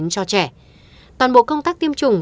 cho trẻ toàn bộ công tác tiêm chủng